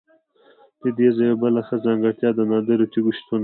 ددې ځای یوه بله ښه ځانګړتیا د نادرو تیږو شتون دی.